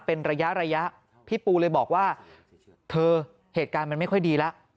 พี่ปูเลยบอกว่าเธอเหตุการณ์มันไม่ค่อยดีแล้ว